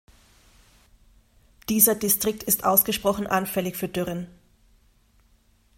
Dieser Distrikt ist ausgesprochen anfällig für Dürren.